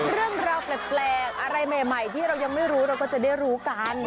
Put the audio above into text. เรื่องราวแปลกอะไรใหม่ที่เรายังไม่รู้เราก็จะได้รู้กัน